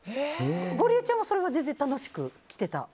ゴリエちゃんもそれは全然楽しく着てた？